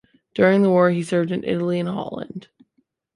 During the war, he served in Italy and Holland.